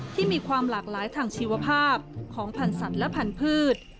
ที่มีความหลากหลายทางชีวภาพของพันธ์สัตว์และพันธุ์